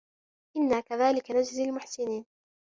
إِنّا كَذلِكَ نَجزِي المُحسِنينَ